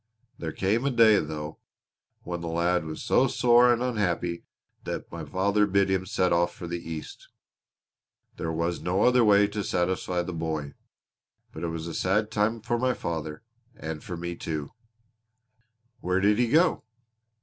There came a day, though, when the lad was so sore and unhappy that my father bid him set off for the East. There was no other way to satisfy the boy. But it was a sad time for my father and for me, too." "Where did he go?"